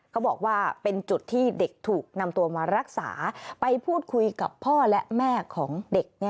เขาบอกว่าเป็นจุดที่เด็กถูกนำตัวมารักษาไปพูดคุยกับพ่อและแม่ของเด็ก